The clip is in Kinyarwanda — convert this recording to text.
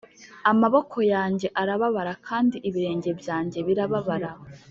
amaboko yanjye arababara kandi ibirenge byanjye birababara;